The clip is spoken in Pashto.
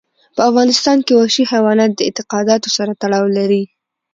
په افغانستان کې وحشي حیوانات د اعتقاداتو سره تړاو لري.